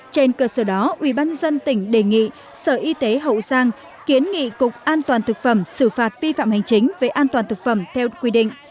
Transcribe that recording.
trên cơ sở đó ubnd tỉnh đề nghị sở y tế hậu giang kiến nghị cục an toàn thực phẩm xử phạt vi phạm hành chính về an toàn thực phẩm theo quy định